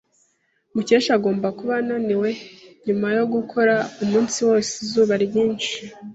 Mukesha agomba kuba ananiwe nyuma yo gukora umunsi wose izuba ryinshi.